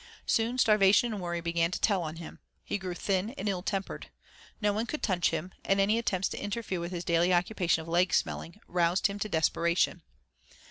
Soon starvation and worry began to tell on him. He grew thin and ill tempered. No one could touch him, and any attempt to interfere with his daily occupation of leg smelling roused him to desperation.